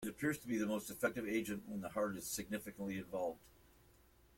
It appears to be the most effective agent when the heart is significantly involved.